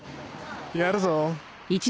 やるぞ。